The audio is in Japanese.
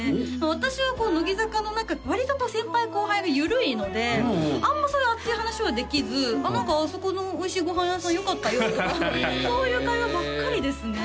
私は乃木坂の中割と先輩後輩が緩いのであんまそういう熱い話はできず「あそこのおいしいご飯屋さんよかったよ」とかそういう会話ばっかりですね